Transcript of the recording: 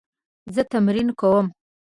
زه تمرین کوم